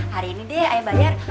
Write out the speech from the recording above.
hari ini deh ayah bayar